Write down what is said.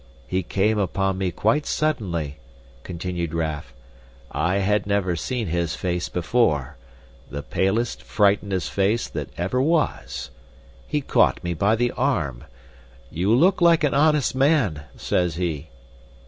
"He came upon me quite suddenly," continued Raff. "I had never seen his face before, the palest, frightenedest face that ever was. He caught me by the arm. 'You look like an honest man,' says he."